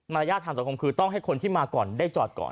รยาททางสังคมคือต้องให้คนที่มาก่อนได้จอดก่อน